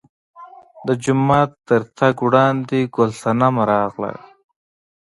د جومات تر تګ وړاندې ګل صنمه راغله.